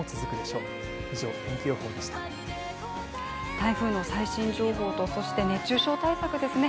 台風の最新情報と、そして熱中症対策ですね